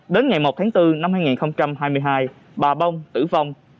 đến ngày một tháng bốn năm hai nghìn hai mươi hai bà bông tử vong